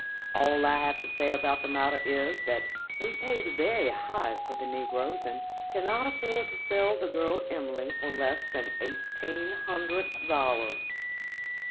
All I have to say about the matter is, that we paid very high for the negroes, and cannot afford to sell the girl Emily for less than EIGHTEEN HUNDRED DOLLARS.